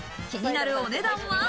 気になるお値段は？